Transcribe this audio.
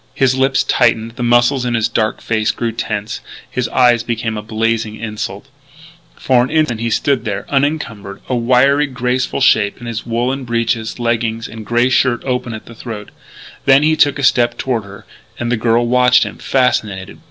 His lips tightened, the muscles in his dark face grew tense; his eyes became a blazing insult. For an instant he stood there, unencumbered, a wiry, graceful shape in his woollen breeches, leggings, and grey shirt open at the throat. Then he took a step toward her. And the girl watched him, fascinated.